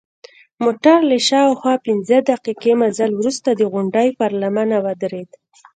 موټر له شاوخوا پنځه دقیقې مزل وروسته د غونډۍ پر لمنه ودرید.